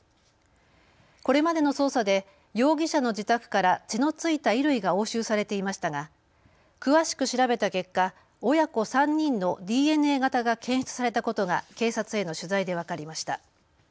これまでの捜査で容疑者の自宅から血の付いた衣類が押収されていましたが詳しく調べた結果、親子３人のＤＮＡ型が検出されたことが警察への取材で分かりました。